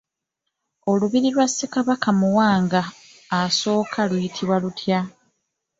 Lubiri lwa Ssekabaka Mwanga I luyitibwa lutya?